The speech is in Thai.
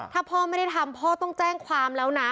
ถ้าพ่อไม่ได้ทำพ่อต้องแจ้งความแล้วนะ